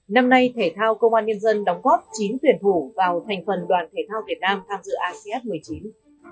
năm nay thể thao công an nhân dân đóng góp chín tuyển thủ vào thành phần đoàn thể thao việt nam tham dự asean một mươi chín